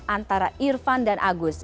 antara irfan dan agus